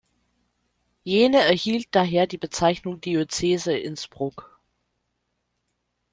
Jene erhielt daher die Bezeichnung Diözese Innsbruck.